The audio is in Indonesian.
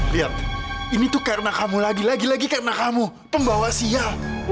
lihat ini tuh karena kamu lagi lagi lagi karena kamu pembawa siak